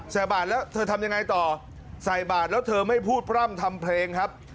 ใส่บาทแล้วเธอทำยังไงต่อใส่บาทแล้วเธอไม่พูดพร่ำทำเพลงครับ